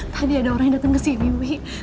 tadi ada orang yang datang ke sini wi